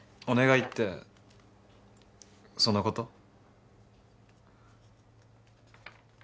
お願いってそのこと？